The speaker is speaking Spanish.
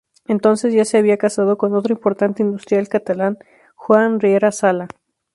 Entonces ya se había casado con otro importante industrial catalán, Joan Riera Sala.